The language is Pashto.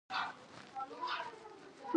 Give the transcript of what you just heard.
پاچا به د مالیاتو په زیاتولو کې سلا مشورې کوي.